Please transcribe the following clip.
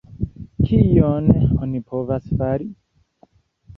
Kion oni povas fari?